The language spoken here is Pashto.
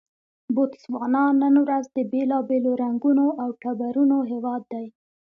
بوتسوانا نن ورځ د بېلابېلو رنګونو او ټبرونو هېواد دی.